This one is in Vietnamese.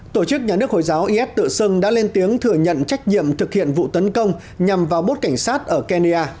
tổ chức nhà nước hồi giáo is tự xưng đã lên tiếng thừa nhận trách nhiệm thực hiện vụ tấn công nhằm vào bốt cảnh sát ở kenya